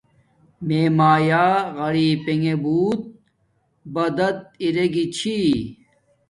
میے مایا غریپنگے بوت بدد ارگی چھی